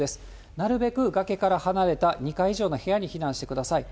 なるべく崖から離れた２階以上の部屋に避難してください。